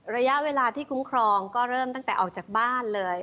ระยะเวลาที่คุ้มครองก็เริ่มตั้งแต่ออกจากบ้านเลย